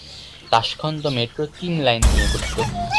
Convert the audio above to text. Tashkent metro তিন line নিয়ে গঠিত।